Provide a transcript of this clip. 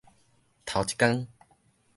頭一工